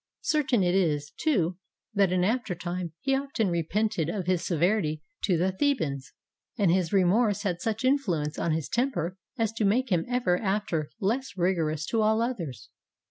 Certain it is, too, that in after time he often repented of his severity to the Thebans, and his remorse had such influence on his temper as to make him ever after less rigorous to all others.